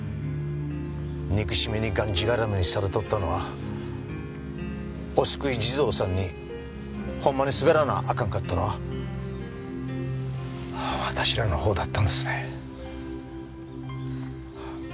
憎しみにがんじがらめにされとったのはお救い地蔵さんにほんまにすがらなあかんかったのは私らの方だったんですね。